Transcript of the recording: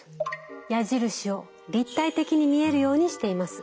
矢印を立体的に見えるようにしています。